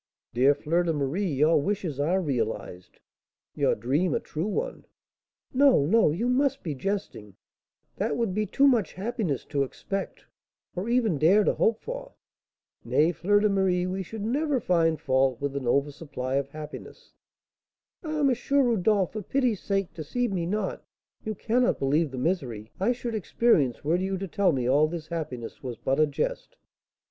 '" "Dear Fleur de Marie, your wishes are realised, your dream a true one." "No, no, you must be jesting; that would be too much happiness to expect, or even dare to hope for." "Nay, Fleur de Marie, we should never find fault with an oversupply of happiness." "Ah, M. Rodolph, for pity's sake deceive me not; you cannot believe the misery I should experience were you to tell me all this happiness was but a jest."